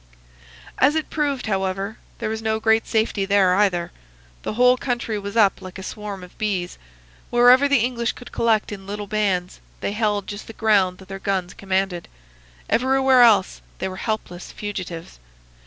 "As it proved, however, there was no great safety there, either. The whole country was up like a swarm of bees. Wherever the English could collect in little bands they held just the ground that their guns commanded. Everywhere else they were helpless fugitives.